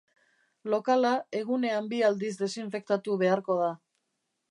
Lokala egunean bi aldiz desinfektatu beharko da.